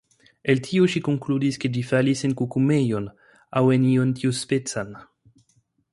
El tio ŝi konkludis ke ĝi falis en kukumejon, aŭ en ion tiuspecan.